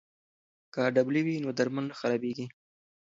که ډبلي وي نو درمل نه خرابېږي.